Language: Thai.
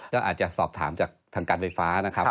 ก็อาจจะสอบถามจากทางการไฟฟ้านะครับ